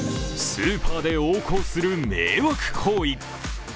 スーパーで横行する迷惑行為。